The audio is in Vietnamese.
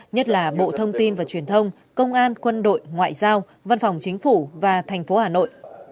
nhất là bộ thông tin và truyền thông công an quân đội ngoại giao văn phòng chính phủ và thành phố hà nội